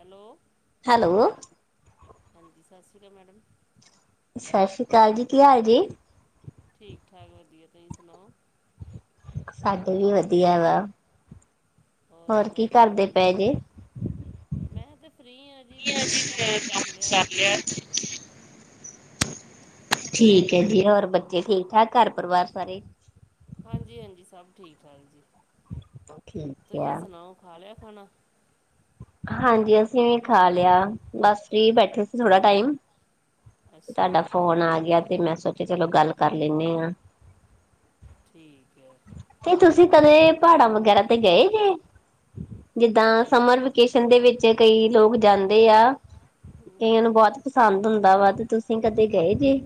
Hello hello ਹਾਂਜੀ ਸਤਿ ਸ੍ਰੀ ਅਕਾਲ ਮੈਡਮ ਸਸਰੀ ਅਕਾਲ ਜੀ ਕੀ ਹਾਲ ਜੀ। ਠੀਕ-ਠਾਕ ਵਧੀਆ ਤੁਸੀਂ ਸੁਣਾਓ। ਸਾਡੇ ਵਧੀਆ ਵਾ ਹੋਰ ਕੀ ਕਰਦੇ ਪਏ ਜੇ। ਮੈਂ ਤੇ ਫਰੀ ਹਾਂ। [unintelligible] ਜੀ ਮੈਂ ਕੰਮ ਕਰ ਲਿਆ। ਠੀਕ ਹੈ ਜੀ ਹੋਰ ਬੱਚੇ ਠੀਕ-ਠਾਕ ਘਰ ਪਰਿਵਾਰ ਸਾਰੇ ਹਾਂਜੀ-ਹਾਂਜੀ ਸਭ ਠੀਕ-ਠਾਕ ਜੀ ਠੀਕ ਤੁਸੀਂ ਆ, ਸੁਣਾਓ ਖਾ ਲਿਆ ਖਾਣਾ। ਹਾਂਜੀ ਅਸੀਂ ਵੀ ਖਾ ਲਿਆ ਬਸ ਫਰੀ ਬੈਠੇ ਸੀ ਥੋੜਾ ਟਾਈਮ ਅੱਛਾ ਤੁਹਾਡਾ ਜੀ ਫੋਨ ਗਿਆ ਤੇ ਮੈਂ ਸੋਚਿਆ ਚਲੋ ਗੱਲ ਕਰ ਲੈਂਨੇ ਆਂ। ਠੀਕ ਏ। ਤੇ ਤੁਸੀਂ ਕਦੇ ਪਹਾੜਾਂ ਵਗੈਰਾ ਤੇ ਗਏ ਜੇ ਜਿੱਦਾਂ ਨਹੀਂ ਸਮਰ ਵੇਕੇਸ਼ਨ ਦੇ ਵਿੱਚ ਕਈ ਲੋਕ ਜਾਂਦੇ ਆ ਕਈਆਂ ਨੂੰ ਬੋਤ ਪਸੰਦ ਹੁੰਦਾ ਵਾ ਤੇ ਤੁਸੀਂ ਕਦੇ ਗਏ ਜੇ।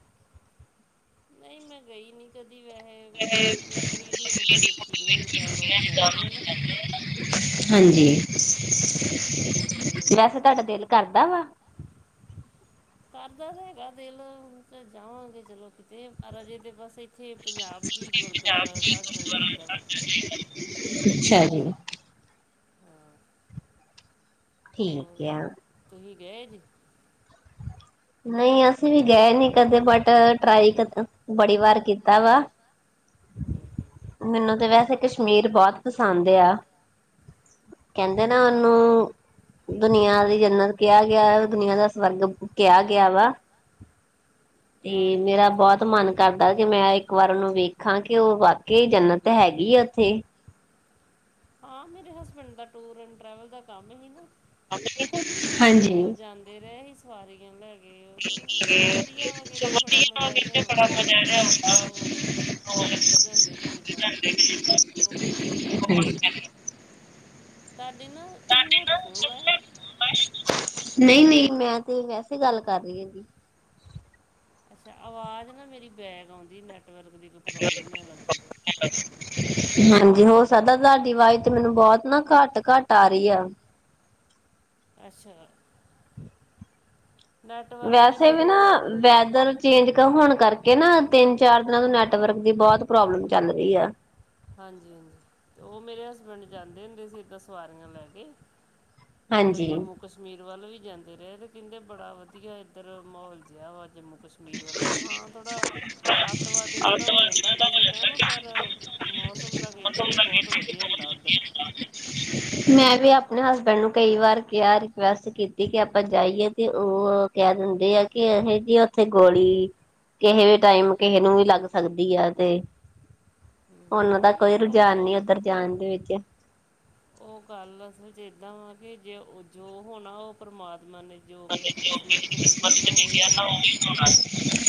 ਨਈ ਮੈਂ ਗਈ ਨੀ। ਕਦੀ ਵੈਹੇ ਮਤਲਬ ਵੀਡੀਓ ਵੂਡੀਓ ਵੇਖੀ ਦੀਆਂ ਜਿਦਾਂ ਲੋਗ ਜਾਂਦੇ ਆ ਨਾ। ਹਾਂਜੀ ਤੇ ਵੈਸੇ ਤੁਹਾਡਾ ਦਿਲ ਕਰਦਾ ਵਾ। ਕਰਦਾ ਤਾਂ ਹੈਗਾ ਦਿਲ ਹੁਣ ਤਾਂ ਜਾਵਾਂਗੇ ਚਲੋ ਕਿਤੇ ਪਰ ਅਜੇ ਦੇ ਬਸ ਇੱਥੇ ਪੰਜਾਬ 'ਚ ਹੀ ਗੁਰਦੁਆਰਾ ਸਾਹਿਬ ਚਲ ਜਾਈਦਾ ਵਾ ਅੱਛਾ ਜੀ। ਹਾਂ ਹੋਰ ਠੀਕ ਆ। ਤੁਸੀਂ ਗਏ ਜੇ। ਨਈ ਅਸੀਂ ਵੀ ਗਏ ਕਦੇ ਬਟ ਟਰਾਈ ਬੜੀ ਵਾਰ ਕੀਤਾ ਵਾ। ਹੂੰ ਹੂੰ ਮੈਨੂੰ ਤੇ ਵੈਸੇ ਕਸ਼ਮੀਰ ਬਹੁਤ ਪਸੰਦ ਏਆ ਕਹਿੰਦੇ ਨਾ ਠੀਕ ਉਹਨੂੰ ਦੁਨੀਆਂ ਦੀ ਜੰਨਤ ਕਿਹਾ ਗਿਆ ਦੁਨੀਆਂ ਦਾ ਸਵਰਗ ਕਿਹਾ ਗਿਆ ਵਾ ਤੇ ਆ ਇਹ ਮੇਰਾ ਬਹੁਤ ਮਨ ਕਰਦਾ ਕਿ ਮੈਂ ਇਕ ਵਾਰ ਉਹਨੂੰ ਵੇਖ ਖਾਂ ਕੇ ਉਹ ਵਾਕਿਆ ਜਨਤ ਹੈਗੀ ਆ ਉੱਥੇ ਹਾਂ ਮੇਰੇ ਹਸਬੈਂਡ ਦਾ ਟੂਰ ਐਂਡ ਟਰੈਵਲ ਦਾ ਕੰਮ ਹੀ ਨਾ ਤੇ ਹਾਂਜੀ। ਉਹ ਜਾਂਦੇ ਰਹੇ ਹੀ ਸਵਾਰੀਆਂ ਲੈਕੇ ਹੂੰ, ਮਤਲਬ ਵਧੀਆ ਵਾ ਕਹਿੰਦੇ ਬੜਾ ਵਧੀਆ ਮਜ਼ਾ ਮੈਨੂੰ ਜਿਹਾ ਤੇ ਬੜਾ ਆਉਂਦਾ ਮਜ਼ਾ ਆਇਆ ਹੁੰਦਾ। ਲੋਕ ਚਲ ਜਾਂਦੇ ਨੇ ਜਿੱਦਾਂ, ਘੁੰਮਣ ਫਿਰਨ ਤੁਹਾਡੇ ਨਾ ਤੁਸੀਂ ਹੈਡਫੋਨ ਲਾਏ ਨਹੀ -ਨਹੀ ਮੈਂ ਤੇ ਵੈਸੇ ਗੱਲ ਕਰ ਰਹੀ ਅੱਛਾ ਅਵਾਜ਼ ਨਾ ਮੇਰੀ ਬੈਗ ਆਉਂਦੀ ਨੈੱਟਵਰਕ ਦੀ ਇੱਕ ਪ੍ਰੋਬਲਮ ਲੱਗਦੀ ਹਾਂਜੀ ਹੋ ਸਕਦਾ ਤੁਹਾਡੀ ਆਵਾਜ਼ ਤੇ ਮੈਨੂੰ ਬਹੁਤ ਨਾ ਘੱਟ- ਘੱਟ ਆ ਰਹੀ ਆ ਅੱਛਾ ਨੈਟਵਰਕ ਦੀ ਵੈਸੇ ਫਿਰ ਵੀ ਕੋਈ ਨਾ ਪ੍ਰੋਬਲਮ ਵੈਦਰ ਚੇਂਜ ਹੋਣ ਕਰਕੇ ਨਾ ਤਿੰਨ- ਚਾਰ ਦਿਨਾਂ ਤੋਂ ਨੈਟਵਰਕ ਦੀ ਬਹੁਤ ਪ੍ਰੋਬਲਮ ਚੱਲ ਰਹੀ ਆ ਹਾਂਜੀ- ਹਾਂਜੀ, ਤੇ ਉਹ ਮੇਰੇ ਹਸਬੈਂਡ ਜਾਂਦੇ ਹੁੰਦੇ ਸੀ ਏਦਾਂ ਸਵਾਰੀਆਂ ਲੈ ਕੇ ਇੱਧਰ ਹਾਂਜੀ। ਜੰਮੂ-ਕਸ਼ਮੀਰ ਕਸ਼ਮੀਰ ਵੱਲ ਵੀ ਜਾਂਦੇ ਰਹੇ ਤੇ ਕਹਿੰਦੇ ਬੜਾ ਵਧੀਆ ਇੱਧਰ ਮਾਹੌਲ ਜਿਹਾ ਵਾ ਜੰਮੂ ਕਸ਼ਮੀਰ ਵੱਲ ਹਾਂ ਥੋੜ੍ਹਾ, ਅੱਤਵਾਦੀਆਂ ਦਾ ਹੋ ਜਾਂਦਾ ਕਿਸੇ ਟਾਈਮ ਪਰ ਮੌਸਮ ਦਾ ਕਹਿੰਦੇ ਸੀ ਬਹੁਤ ਵਧੀਆ ਹੁੰਦਾ ਉੱਧਰ [inaudible] ਮੈਂ ਵੀ ਆਪਣੇ ਹਸਬੈਂਡ ਨੂੰ ਕਈ ਵਾਰ ਕਿਹਾ ਰਿਕੁਐਸਟ ਕੀਤੀ ਕਿ ਆਪ ਜਾਈਏ ਤੇ ਉਹ ਕਿਹ ਦਿੰਦੇ ਕੀ ਉ ਗੋਲੀ, ਕਿਸੇ ਟਾਈਮ ਕਿਸੇ ਨੂੰ ਵੀ ਲੱਗ ਸਕਦੀ ਆ ਤੇ ਉਹਨਾਂ ਦਾ ਕੋਈ ਨਹੀਂ ਰੁਝਾਨ ਉਹ ਨਹੀ ਉੱਧਰ ਜਾਣ ਦੇ ਵਿੱਚ ਉਹ ਗੱਲ ਅਸਲ ਵਿੱਚ ਏਦਾ ਹੋਣਾ ਜੋ ਹੋਣਾ ਉਹ ਪਰਮਾਤਮਾ ਨੇ ਜੋ ਕਿਸੇ ਦੀ ਕਿਸਮਤ ਚ ਲਿਖਿਆ ਨਾ ਉਹੀ ਹੋਣਾ ਏ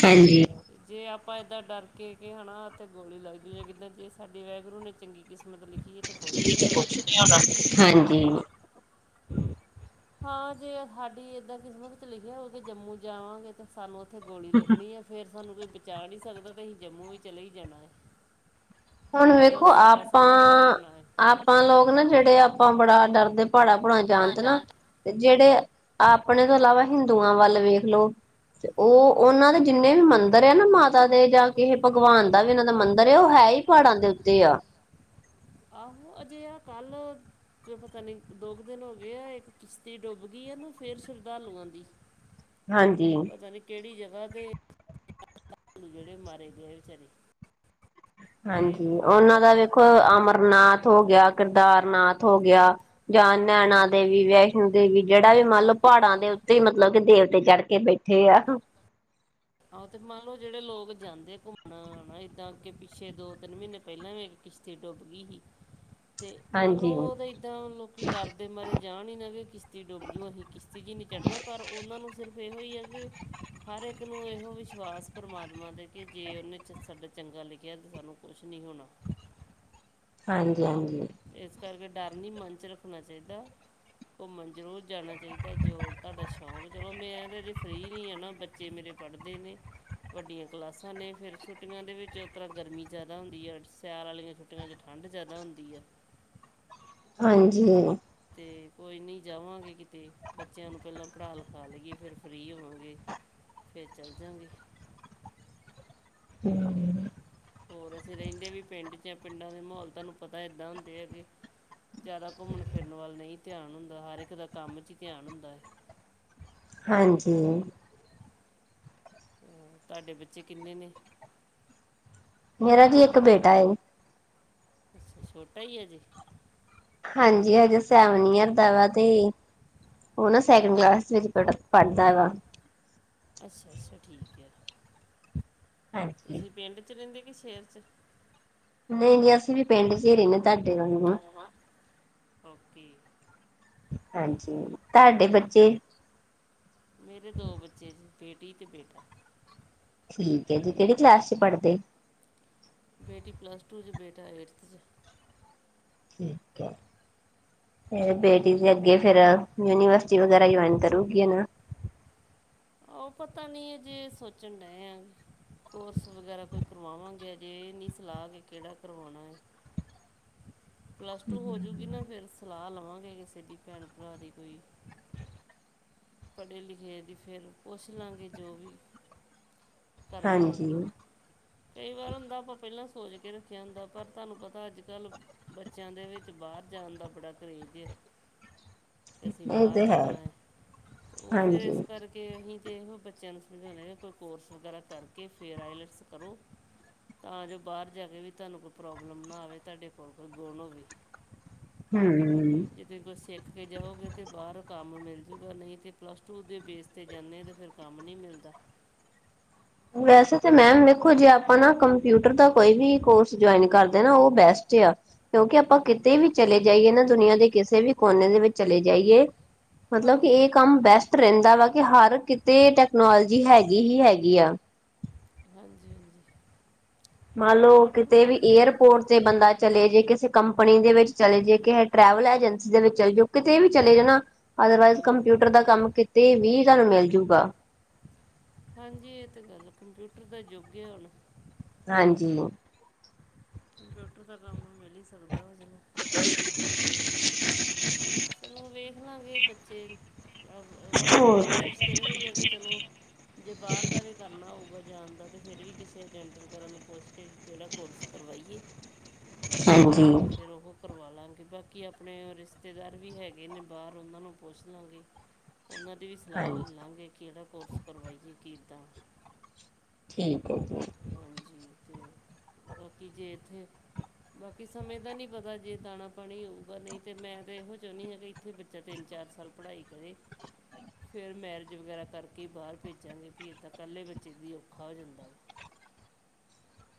ਹਾਂਜੀ ਜੇ ਆਪਾਂ ਏਦਾਂ ਡਰ ਕੇ ਕਿਹਾ ਨਾ ਤੇ ਗੋਲੀ ਲੱਗਦੀ ਐ ਜੇ ਸਾਡੇ ਵਾਹਿਗੁਰੂ ਨੇ ਚੰਗੀ ਕਿਸਮਤ ਲਿਖੀ ਹੈ ਤੇ ਕੁਛ ਨਹੀਂ ਹੋਣਾ ਕੁਛ ਨੀ ਹੋਣਾ ਹਾਂਜੀ ਹਾਂ ਜੇ ਸਾਡੀ ਏਦਾਂ ਕਿਸਮਤ ਚ ਲਿਖਿਆ ਹੋਊ ਕਿ ਜੰਮੂ ਜਾਵਾਂਗੇ, ਤੇ ਸਾਨੂੰ ਉੱਥੇ ਗੋਲੀ ਲੱਗਣੀ ਹੈ ਸਾਨੂੰ ਕੋਈ ਬਚਾ ਨਹੀਂ ਸਕਦਾ ਤੇ ਅਸੀਂ ਜੰਮੂ ਵੀ ਚਲੇ ਹੀ ਜਾਣਾ ਏ ਹੁਣ ਵੇਖੋ ਆਪਾਂ, ਸਮਾਂ ਤੈਅ ਆਪ ਹੋਣਾ ਹੈ ਆਪਾ ਲੋਕ ਨਾ ਜਿਹੜੇ ਆਪਾ ਬੜਾ ਡਰਦੇ ਪਹਾੜਾਂ ਭੂੜਾਂ ਜਾਣ ਤੇ ਨਾ ਜਿਹੜੇ ਆਪਣੇ ਤੋਂ ਇਲਾਵਾ ਹਿੰਦੂਆ ਵਲ ਵੇਖ ਲੋ ਉਹ ਉਹਨਾਂ ਦੇ ਜਿੰਨੇ ਵੀ ਮੰਦਿਰ ਆ ਨਾ ਮਾਤਾ ਦੇ ਜਾ ਕਿਸੇ ਭਗਵਾਨ ਦਾ ਵੀ ਇਹਨਾਂ ਦਾ ਮੰਦਿਰ ਹੈ ਉਹ ਹੈ ਹੀ ਪਹਾੜਾ ਦੇ ਉੱਤੇ ਆ ਆਹੋ ਅਜਿਹਾ ਕੱਲ ਤੇ ਪਤਾ ਨੀ ਦੋ ਕੁ ਦਿਨ ਹੋ ਗਏ ਆ ਇੱਕ ਕਿਸ਼ਤੀ ਡੁੱਬ ਗਈ ਏ ਨਾ ਫਿਰ ਸ਼ਰਧਾਲੂਆ ਦੀ ਹਾਂਜੀ ਪਤਾ ਨੀ ਕਿਹੜੀ ਜਗਾ ਤੇ ਜਿਹੜੇ ਮਾਰੇ ਗਏ ਵਿਚਾਰੇ ਤੇ ਹਾਂਜੀ ਉਹਨਾਂ ਦਾ ਮਤਲਬ ਵੇਖੋ ਅਮਰਨਾਥ ਹੋ ਗਿਆ, ਕਿਰਦਾਰਨਾਥ ਹੋ ਗਿਆ, ਜਾਂ ਆਏ ਨੈਣਾ ਦੇਵੀ ਵੈਸ਼ ਦੇਵੀ ਜਿਹੜਾ ਵੀ ਮੰਨ ਲਓ, ਪਹਾੜਾਂ ਦੇ ਉੱਤੇ ਮਤਲਬ ਕਿ ਦੇਵਤੇ ਚੜ ਕੇ ਬੈਠੇ ਆ। ਆ ਤੇ ਮੰਨ ਲਓ ਜਿਹੜੇ ਲੋਕ ਜਾਂਦੇ ਆ ਘੁੰਮਣ ਨਾ ਏਦਾਂ ਅਗੇ ਪਿੱਛੇ ਦੋ- ਤਿੰਨ ਮਹੀਨੇ ਪਹਿਲਾਂ ਵੀ- ਕਿਸ਼ਤੀ ਡੁੱਬ ਗਈ ਸੀ। [inaudible] ਤੇ ਮੰਨ ਲਓ ਹਾਂਜੀ ਉਹ ਤਾਂ ਏਦਾਂ ਲੋਕੀ ਡਰਦੇ ਮਰੇ। ਜਾਣ ਹੀ ਨਾ ਵੀ ਕਿਸ਼ਤੀ ਡੁੱਬ ਜੂ ਅਸੀਂ ਕਿਸ਼ਤੀ ਚ ਨੀ ਚੜਨਾ ਪਰ ਉਹਨਾਂ ਨੂੰ ਸਿਰਫ ਇਹੋ ਹੀ ਹੈ ਕਿ- ਸਾਰੇ, ਇੱਕ ਨੂੰ ਇਹੋ ਵਿਸ਼ਵਾਸ ਪਰਮਾਤਮਾ ਤੇ ਕਿ ਜੇ ਉਹਨੇ ਚ ਸਾਡਾ ਚੰਗਾ ਲਿਖਿਆ ਤਾਂ ਸਾਨੂੰ ਕੁਛ ਨਹੀਂ ਹੋਣਾ। ਹਾਂਜੀ- ਹਾਂਜੀ। ਇਸ ਕਰਕੇ ਡਰ ਨਹੀਂ ਮਨ ਚ ਰੱਖਣਾ ਚਾਹੀਦਾ। ਘੁੰਮਣ ਜ਼ਰੂਰ ਜਾਣਾ ਚਾਹੀਦਾ ਜੋ ਤੁਹਾਡਾ ਸ਼ੌਂਕ ਚਲੋ ਮੈਂ ਤਾਂ ਅਜੇ ਫਰੀ ਨਹੀਂ ਆ ਨਾ ਬੱਚੇ ਮੇਰੇ- ਪੜਦੇ ਨੇ। ਵੱਡੀਆਂ ਕਲਾਸਾਂ ਨੇ ਫੇਰ ਛੁੱਟੀਆਂ ਦੇ ਵਿੱਚ ਉਸ ਤਰਾਂ ਗਰਮੀ ਜ਼ਿਆਦਾ ਹੁੰਦੀ ਆ ਸਿਆਲ ਵਾਲੀਆ- ਛੂਟੀਆਂ ਚ ਠੰਡ ਜ਼ਿਆਦਾ ਹੁੰਦੀ ਹੈ। ਹਾਂਜੀ। ਤੇ ਕੋਈ ਨੀ ਜਾਵਾਂਗੇ ਕਿਤੇ ਬੱਚਿਆਂ ਨੂੰ ਪਹਿਲਾਂ ਪੜਾ ਲਿਖਾ ਲਈਏ, ਫੇਰ ਫਰੀ ਹੋਵਾਂਗੇ। ਫੇਰ ਚੱਲ ਜਾਗੇ। [inaudible] ਹੂੰ, ਹੋਰ ਅਸੀਂ ਰਹਿੰਦੇ ਵੀ ਪਿੰਡ ਚ ਆ। ਪਿੰਡਾਂ ਦੇ ਮਾਹੌਲ ਤੁਹਾਨੂੰ ਪਤਾ ਇੱਦਾਂ ਹੁੰਦੇ ਹੈ ਕਿ ਜ਼ਿਆਦਾ ਘੁੰਮਣ ਫਿ- ਫਿਰਨ ਵੱਲ ਨਹੀਂ ਧਿਆਨ ਹੁੰਦਾ ਹਰ ਇੱਕ ਦਾ ਕੰਮ 'ਚ ਹੀ ਧਿਆਨ ਹੁੰਦਾ ਹੈ। ਹਾਂਜੀ। ਤੁਹਾਡੇ ਬੱਚੇ ਕਿੰਨੇ ਨੇ? ਮੇਰਾ ਜੀ ਇੱਕ ਬੇਟਾ ਏ। ਅਛਾ ਛੋਟਾ ਈ ਏ ਅਜੇ? ਹਾਂਜੀ ਹਜੇ ਸੈਵਨ ਯੀਅਰ ਦਾ ਵਾ ਤੇ, ਉਹ ਨਾ ਸੈਕਿੰਡ ਕਲਾਸ ਵਿੱਚ ਪੜ ਪੜਦਾ ਵਾ। ਅੱਛਾ -ਅੱਛਾ ਠੀਕ ਹੈ। ਹਾਂਜੀ। ਤੁਸੀਂ ਪਿੰਡ ਚ ਰਹਿੰਦੇ ਕਿ ਸ਼ਹਿਰ ਚ? ਨਹੀਂ ਜੀ ਅਸੀਂ ਵੀ ਪਿੰਡ ਚ ਈ ਰਹਿਨੇ। ਤੁਹਾਡੇ ਵਾਂਗੂੰ। ਰੰਗਵਾ ਓਕ। ਹਾਂਜੀ, ਤੁਹਾਡੇ ਬੱਚੇ? ਮੇਰੇ ਦੋ ਬੱਚੇ ਆ ਜੀ ਬੇਟੀ ਤੇ ਬੇਟਾ। ਠੀਕ ਹੈ ਜੀ, ਕਿਹੜੀ ਕਲਾਸ ਚ ਪੜਦੇ? ਬੇਟੀ ਪਲੱਸ ਟੂ 'ਚ ਬੇਟਾ ਏਰਥ 'ਚ। ਠੀਕ ਹੈ, ਫੇਰ ਬੇਟੀ ਦੇ ਅੱਗੇ ਫੇਰ ਯੂਨੀਵਰ ਸਿਟੀ ਵਗੈਰਾ ਜੁਆਇੰਨ ਕਰੂ ਗੀ ਨਾ। ਉਹ ਪਤਾ ਨੀ ਅਜੇ ਸੋਚਣ ਡਏ ਆ। ਕੋਰਸ ਵਗੈਰਾ ਕੋਈ ਕਰਵਾਵਾਂਗੇ ਅਜੇ ਇਹ ਨਹੀਂ ਸਲਾਹ ਵੀ ਕਿਹੜਾ ਕਰਵਾਉਣਾ ਏ। ਪਲੱਸ ਟੂ ਹੋਜੂਗੀ ਨਾ ਫੇਰ ਸਲਾਹ ਲਵਾਂਗੇ ਕਿਸੇ ਦੀ ਭੈਣ ਭਰਾ ਦੀ ਕੋਈ। ਪੜੇ-ਲਿਖੇ ਦੀ ਫੇਰ ਪੁੱਛ ਲਾਂਗੇ ਜੋ ਵੀ- ਕਰਨਾ ਹਾਂਜੀ, ਹੋਊਗਾ। ਕਈ ਵਾਰ ਹੁੰਦਾ ਆਪਾਂ ਪਹਿਲਾਂ ਸੋਚ ਕੇ ਰੱਖਿਆ ਹੁੰਦਾ ਪਰ ਤੁਹਾਨੂੰ ਪਤਾ ਅੱਜ ਕੱਲ- ਬੱਚਿਆਂ ਦੇ ਵਿੱਚ ਬਾਹਰ ਜਾਣ ਦਾ ਬੜਾ ਕਰੇਜ਼ ਏ। ਏ ਤੇ ਹੈ। ਓ ਫਿਰ ਹਾਂਜੀ ਏਸ ਕਰ ਕੇ ਅਸੀਂ ਤਾਂ ਏਹੋ ਬੱਚੇਆਂ ਨੂੰ ਸਮਝਾਨੇ ਆ ਕੋਈ ਕੋਰਸ ਵਗੈਰਾ ਕਰਕੇ ਫੇਰ ਆਈਲੈਟਸ ਕਰੋ ਤਾਂ ਜੋ ਬਾਰ ਜਾ ਕੇ ਵੀ ਤੁਆਨੂੰ ਕੋਈ ਪ੍ਰੋਬਲਮ ਨਾ ਆਵੇ ਤੁਆਡੇ ਕੋਲ ਕੋਈ ਗੁਨ ਹੋਵੇ। ਹੂੰ। ਏਥੇ ਕੁਝ ਸਿੱਖ ਕੇ ਜਾਓਗੇ ਤੇ ਬਾਰ ਕੰਮ ਮਿਲ ਜੂਗਾ ਨਈਂ ਤੇ ਪਲੱਸ ਟੂ ਦੇ ਬੇਸ ਤੇ ਜਾਂਨੇ ਆਂ ਤਾਂ ਫਿਰ ਕੰਮ ਨਈਂ ਮਿਲਦਾ। ਵੈਸੇ ਤੇ ਮੈਮ ਵੇਖੋ ਜੇ ਆਪਾਂ ਨਾ ਕੰਪਿਊਟਰ ਦਾ ਕੋਈ ਵੀ ਕੋਰਸ ਜੁਆਇਨ ਕਰਦੇ ਨਾ ਓ ਬੈਸਟ ਏ ਆ। ਕਿਓਂਕਿ ਆਪਾਂ ਹੂੰ ਕਿਤੇ ਹੂੰ ਵੀ ਚਲੇ ਜਾਈਏ ਨਾ ਦੁਨੀਆਂ ਦੇ ਕਿਸੇ ਵੀ ਕੋਨੇ ਦੇ ਵਿੱਚ ਚਲੇ ਜਾਈਏ ਮਤਲਬ ਕੇ ਹਾਂਜੀ ਏ ਕੰਮ ਬੈਸਟ ਰੈਂਦਾ ਵਾ ਕੇ ਹਰ ਕਿਤੇ ਟੈਕਨੋਲੋਜੀ ਹੈਗੀ ਹੀ ਹੈਗੀ ਆ। ਹਾਂਜੀ-ਹਾਂਜੀ। ਮੰਨ ਲਓ ਕਿਤੇ ਵੀ ਜ- ਏਅਰਪੋਟ ਤੇ ਬੰਦਾ ਚਲੇ ਜੇ ਕਿਸੇ ਕੰਪਨੀ ਦੇ ਵਿੱਚ ਚਲੇ ਜੇ ਕਿਸੇ ਟਰੈਵਲ ਏਜੰਸੀ ਦੇ ਵਿੱਚ ਚਲ ਜੋ ਕਿਤੇ ਵੀ ਚਲੇ ਜੋ ਨਾ ਅਦਰਵਾਈਜ਼ ਹੂੰ ਹੂੰ ਕੰਪਿਊਟਰ ਦਾ ਕੰਮ ਕਿਤੇ ਵੀ ਤਾਨੂੰ ਮਿਲਜੂਗਾ। ਹਾਂਜੀ ਏ ਤੇ ਗੱਲ ਆ ਕੰਪਿਊਟਰ ਦਾ ਯੁੱਗ ਏ ਹੁਨ। ਹਾਂਜੀ। ਕੰਪਿਊਟਰ ਦਾ ਕੰਮ ਮਿਲ ਈ ਸਕਦਾ ਵਾ ਜਿਵੇਂ [inaudible] ਚਲੋ ਵੇਖ ਲਾਂਗੇ ਬੱਚੇ ਵੈਸੇ ਕੋਸ਼ਿਸ਼ ਤਾਂ ਏਹੋ ਈ ਐ ਕੇ ਚਲੋ ਜੇ ਬਾਰ ਦਾ ਵੀ ਕਰਨਾ ਹੋਊਗਾ ਜਾਨ ਦਾ ਤੇ ਫਿਰ ਵੀ ਕਿਸੇ ਏਜੰਟ ਵਗੈਰਾ ਨੂੰ ਪੁੱਛ ਕੇ ਕੇੜਾ ਕੋਰਸ ਕਰਵਾਈਏ। [inaudible] ਤੇ ਹਾਂਜੀ ਫਿਰ ਓਹੋ ਕਰਵਾਲਾਂਗੇ ਬਾਕੀ ਓ ਆਪਨੇ ਰਿਸ਼ਤੇਦਾਰ ਵੀ ਹੈਗੇ ਨੇ ਬਾਰ ਓਨਾਂ ਨੂੰ ਪੁੱਛਲਾਂਗੇ, ਓਨਾਂ ਦੀ ਵੀ ਸਲਾਅ ਹਾਂਜੀ ਲੱ ਲਾਂਗੇ। ਕੇੜਾ ਕੋਰਸ ਕਰਵਾਈਏ ਕਿੱਦਾਂ ਠੀਕ ਐ ਠੀਕ ਐ। ਠੀਕ ਐ, ਬਾਕੀ ਜੇ ਏਥੇ ਬਾਕੀ ਸਮੇਂ ਦਾ ਨਈਂ ਪਤਾ ਜੇ ਦਾਨਾ ਪਾਨੀ ਹੋਊਗਾ ਨਈਂ ਤੇ ਮੈਂ ਤੇ ਏਹੋ ਚੌਨੀ ਆਂ ਕੇ ਇੱਥੇ ਬੱਚਾ ਤਿੰਨ-ਚਾਰ ਸਾਲ ਪੜ੍ਹਾਈ ਕਰੇ। ਫਿਰ ਮੈਰਿਜ ਵਗੈਰਾ ਕਰਕੇ ਈ ਬਾਰ ਭੇਜਾਂਗੇ ਵੀ ਏਦਾਂ ਕੱਲੇ ਬੱਚੇ ਦੀ ਔਖਾ ਹੋ ਜਾਂਦਾ ਵਾ।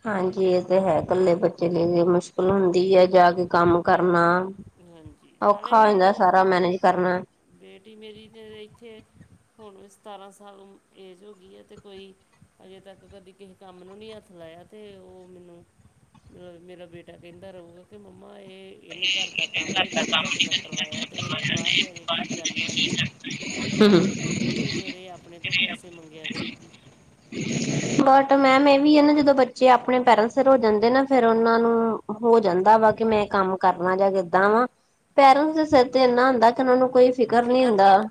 ਹਾਂਜੀ ਏ ਤੇ ਹੈ ਕੱਲੇ ਬੱਚੇ ਲਈ ਏਨੀ ਮੁਸ਼ਕਿਲ ਹੁੰਦੀ ਐ ਜਾਂ ਕੋਈ ਕੰਮ ਕਰਨਾ ਵਾ। ਹਾਂਜੀ ਨਾਲੇ ਔਖਾ ਹੋ ਜਾਂਦਾ ਹੁਣ ਸਾਰਾ ਮੈਨੇਜ ਕਰਨਾ। ਬੇਟੀ ਮੇਰੀ ਦੇ ਏਥੇ ਹੁਨ ਸਤਾਰਾਂ ਸਾਲ ਉ ਏਜ ਹੋ ਗਈ ਏ ਤੇ ਕੋਈ ਹਜੇ ਤੱਕ ਕਦੀ ਕਿਸੇ ਕੰਮ ਨੂੰ ਨੀ ਹੱਥ ਲਾਇਆ ਤੇ ਓ ਮੈਨੂੰ ਅ ਮੇਰਾ ਬੇਟਾ ਕੈਂਦਾ ਰਊਗਾ ਕੇ ਮੰਮਾ ਏ ਏਨੇ ਘਰ ਦਾ ਕੰਮ ਨੀ ਕਦੀ ਤੁਆਡੇ ਨਾਲ ਕਰਵਾਏਆ ਤੇ ਏਨੇ ਬਾਰ ਜਾ ਕੇ ਕੀ ਕਰਨਾ ਏ। ਤੇ ਓਤੇ ਫਿਰ ਏ ਆਪਨੇ ਤੋਂ ਪੈਸੇ ਮੰਗੇਆ ਕਰੂਗੀ। ਬਟ ਤੇ ਮੈਮ ਏ ਵੀ ਏ ਨਾ ਜਦੋਂ ਬੱਚੇ ਆਪਨੇ ਪੈਰਾਂ ਸਿਰ ਹੋ ਜਾਂਦੇ ਨਾ ਫਿਰ ਓਨਾਂ ਨੂੰ ਹੋ ਜਾਂਦਾ ਵਾ ਕੇ ਮੈਂ ਕੰਮ ਕਰਨਾ ਜਾਂ ਜਿੱਦਾਂ ਵਾਂ ਪੇਰੇਂਟਸ ਤੇ ਸਿਰ ਤੇ ਏਨਾ ਹੁੰਦਾ ਕੇ ਓਨਾਂ ਨੂੰ ਕੋਈ ਤੇ ਨਹੀਂ ਫਿਕਰ ਹੁੰਦਾ ਨੀ ਹੋ,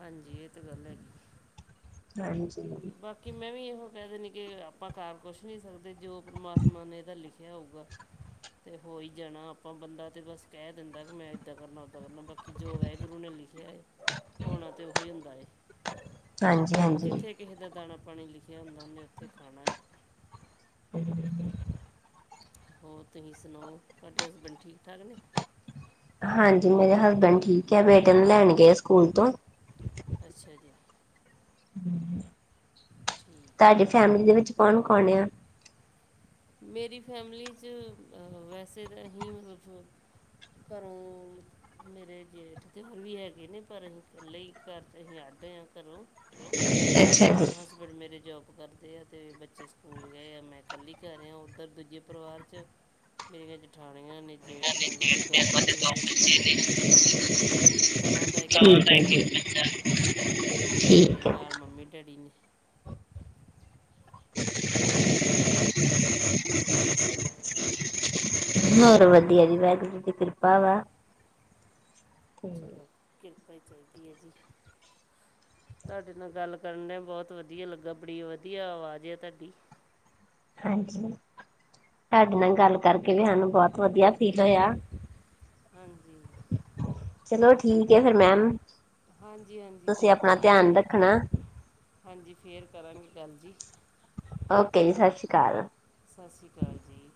ਹਾਂਜੀ ਏ ਤੇ ਗੱਲ ਹੈਗੀ। ਹਾਂਜੀ। ਤੇ ਬਾਕੀ ਮੈਂ ਵੀ ਏਹੋ ਕੈ ਦਿੰਨੀ ਕੇ ਆਪਾਂ ਕਰ ਕੁਛ ਨਈ ਸਕਦੇ ਜੋ ਪਰਮਾਤਮਾ ਨੇ ਏਦਾ ਲਿਖੇਆ ਹੋਊਗਾ। ਤੇ ਹੋ ਈ ਜਾਨਾ ਆਪਾਂ ਬੰਦਾ ਤੇ ਬਸ ਕੈ ਦਿੰਦਾ ਕੇ ਮੈਂ ਏਦਾਂ ਕਰਨਾ ਓਦਾਂ ਕਰਨਾ ਬਾਕ ਕੀ ਜੋ ਵੈਗੁਰੂ ਨੇ ਲਿਖੇਆ ਏ ਹੋਨਾ ਤੇ ਓਹੀ ਹੁੰਦਾ ਏ। ਹਾਂਜੀ-ਹਾਂਜੀ। ਜਿੱਥੇ ਕਿਸੇ ਦਾ ਦਾਨਾ- ਪਾਨੀ ਲਿਖਆ ਹੁੰਦਾ ੳਨੇ ੳਥੇ ਖਾਨਾ [inaudible] ਹੋਰ ਤੁਸੀਂ ਸੁਣਾਓ? ਤੁਆਡੇ ਹਸਬੈਂਡ ਠੀਕ -ਠਾਕ ਨੇ। ਹਾਂਜੀ ਮੇਰੇ ਹਸਬੈਂਡ ਠੀਕ ਐ, ਬੇਟੇ ਨੂੰ ਲੈਣ ਗਏ ਸਕੂਲ ਤੋਂ। ਅੱਛਾ ਜੀ। ਠੀਕ ਤਾਡੀ ਹੈ ਫੈਮਲੀ ਦੇ ਵਿੱਚ ਕੌਨ-ਕੌਨ ਏ? ਮੇਰੀ ਫੈਮਲੀ ਚ ਵੈਸੇ ਫ ਕਰੇਂਦ ਮੇਰੇ ਜੇਠ ਤੇ ਹੋਰ ਵੀ ਹੈਗੇ ਨੇ ਪਰ ਅਸੀ ਕੱਲੇ ਈ ਘਰ ਚ ਅਸੀ ਅੱਡ ਆ ਘਰੋਂ। ਅੱਛਾ ਜੀ। ਹਸਬੈਂਡ ਮੇਰੇ ਜੋਬ ਕਰਦੇ ਆ ਤੇ ਬੱਚੇ ਸਕੂਲ ਗਏ ਆ, ਮੈਂ ਕੱਲੀ ਘਰੇ ਆ ੳਧਰ ਦੂਜੇ ਪਰਿਵਾਰ ਚ ਮੇਰੀਆਂ ਜਠਾਨੀਆਂ ਨੇ। ਜੇਠ ਨੇ ਉਹਨਾਂ ਦੇ ਦੋ ਬੱਚੇ ਨੇ [unintelligible] ਦੋਵਾਂ ਦਾ ਇੱਕ ਇੱਕ ਬੱਚਾ [inaudible] ਤੇ ਨਾਲ ਮੰਮੀ ਡੈਡੀ ਨੇ। ਹੋਰ ਹੋਰ ਵਧੀਆ ਜੀ। ਵਾਹਿਗੁਰੂ ਜੀ ਦੀ ਕਿਰਪਾ ਵਾ। ਹੂੰ ਹੂੰ ਕਿਰਪਾ ਈ ਚਾਈਦੀ ਏ ਜੀ। ਤਾਡੇ ਨਾਲ ਗੱਲ ਕਰਨ ਡਿਆਂ ਬੋਤ ਵਧੀਆ ਲੱਗਾ, ਬੜੀ ਵਧੀਆ ਆਵਾਜ ਏ ਤਾਡੀ। ਹਾਂਜੀ, ਤਾਡੇ ਨਾਲ ਗੱਲ ਕਰਕੇ ਵੀ ਸਾਨੂੰ ਬੋਤ ਵਧੀਆ ਫੀਲ ਹੋਏਆ। ਹਾਂਜੀ। ਚਲੋ ਠੀਕ ਐ ਫੇਰ ਮੈਮ। ਹਾਂਜੀ-ਹਾਂਜੀ ਤੁਸੀਂ ਚਲੋ ਆਪਣਾ ਠੀਕ ਐ, ਧਿਆਨ ਰੱਖਣਾ ਹਾਂਜੀ ਫੇਰ ਕਰਾਂਗੇ ਗੱਲ ਜੀ। ਓਕੇ ਜੀ, ਸਸ ਸ਼੍ਰੀ ਅਕਾਲ। ਸਸ ਸੀ਼੍ ਅਕਾਲ ਜੀ।